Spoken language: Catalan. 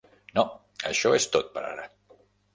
No, això és tot per ara.